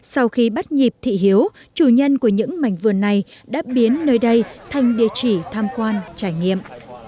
sau khi bắt nhịp thị hiếu chủ nhân của những mảnh vườn này đã biến nơi đây thành địa chỉ tham quan trải nghiệm